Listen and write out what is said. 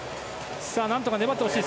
何とか粘ってほしい。